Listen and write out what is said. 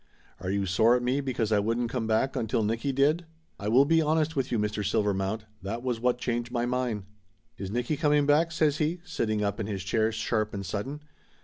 Are you sore at me because I wouldn't come back until Nicky did ? I will be honest with you, Mr. Silvermount, that was what changed my mind." "Is Nicky coming back?" says he, sitting up in his chair sharp and sudden.